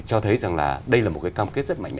cho thấy rằng đây là một cam kết rất mạnh mẽ